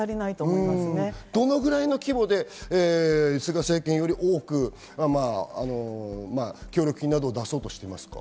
どのくらいの規模で菅政権より多く協力金などを出そうとしていますか？